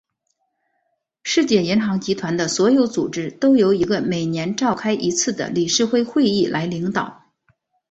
世界银行集团的所有组织都由一个每年召开一次的理事会会议来领导。